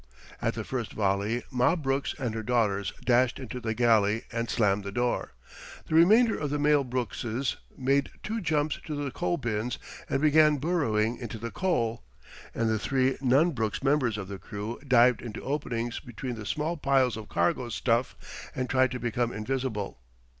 At the first volley, Ma Brooks and her daughters dashed into the galley and slammed the door. The remainder of the male Brookses made two jumps to the coal bins and began burrowing into the coal, and the three non Brooks members of the crew dived into openings between the small piles of cargo stuff and tried to become invisible.